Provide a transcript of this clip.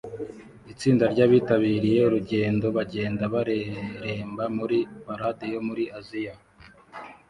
Itsinda ry abitabiriye urugendo bagenda bareremba muri parade yo muri Aziya